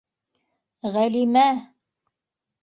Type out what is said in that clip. Ғәлимә!